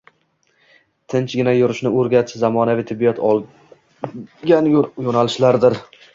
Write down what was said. «tinchgina yurish»ni o‘rgatish zamonaviy tibbiyot olgan yo‘nalishdir.